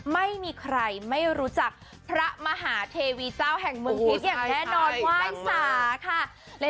ไม่มีใครไม่รู้จักพระมหาเทวีเจ้าแห่งเมืองทิพย์อย่างแน่นอนไหว้สาค่ะ